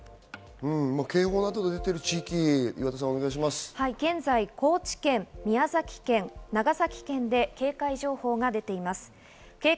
警報などが出ている地域、現在、高知県、宮崎県、長崎県で警戒情報が出ています。